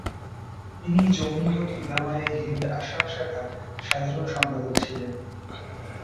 তিনি জমিয়ত উলামায়ে হিন্দ আসাম শাখার সাধারণ সম্পাদক ছিলেন।